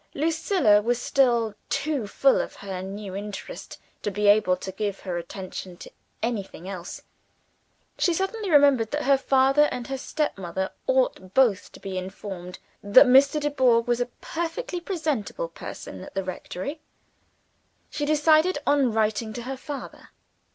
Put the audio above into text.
Lucilla was still too full of her new interest to be able to give her attention to anything else. She suddenly remembered that her father and her step mother ought both to be informed that Mr. Dubourg was a perfectly presentable person at the rectory: she decided on writing to her father.